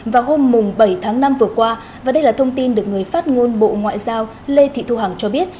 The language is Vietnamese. vào hôm bảy tháng năm vừa qua và đây là thông tin được người phát ngôn bộ ngoại giao lê thị thu hằng cho biết